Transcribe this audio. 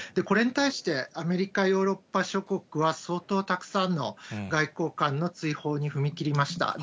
これに対して、アメリカ、ヨーロッパ諸国は、相当たくさんの外交官の追放に踏み切りました。